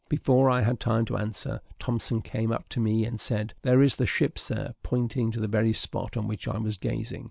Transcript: Before I had time to answer, Thompson came up to me and said, "there is the ship, Sir," pointing to the very spot on which I was gazing.